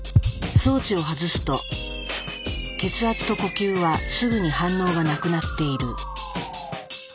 装置を外すと血圧と呼吸はすぐに反応がなくなっている。